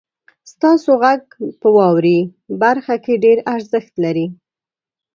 ستاسو غږ په واورئ برخه کې ډیر ارزښت لري.